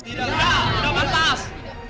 tidak tidak pantas